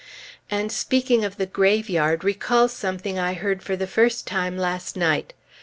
And speaking of the graveyard recalls something I heard for the first time last night.